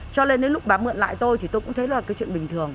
cho nên đến lúc bà mượn lại tôi thì tôi cũng thấy là cái chuyện bình thường